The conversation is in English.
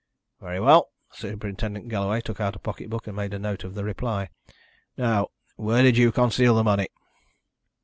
"Very well." Superintendent Galloway took out a pocket book and made a note of the reply. "Now, where did you conceal the money?"